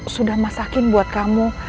sudah masakin buat kamu